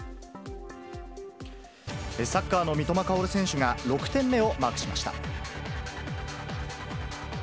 サッカーの三笘薫選手が、６点目をマークしました。